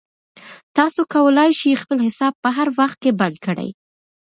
تاسو کولای شئ خپل حساب په هر وخت کې بند کړئ.